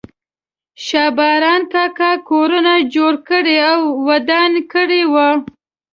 شا باران کاکا کورونه جوړ کړي او ودان کړي وو.